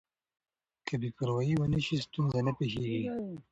که بې پروايي ونه شي ستونزه نه پېښېږي.